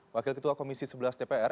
wakil ketua komisi sebelas dpr